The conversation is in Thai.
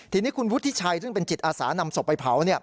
ทีนี้คุณวุฒิชัยซึ่งเป็นจิตอาสานำศพไปเผา